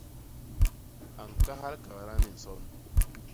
A ñkahal kagda ni nson.